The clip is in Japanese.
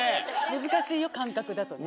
難しいよ感覚だとね。